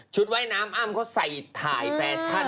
ว่ายน้ำอ้ำเขาใส่ถ่ายแฟชั่น